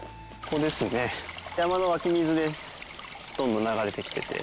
どんどん流れてきてて。